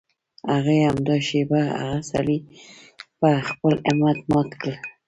هغې همدا شېبه هغه سړی په خپل همت مات کړ.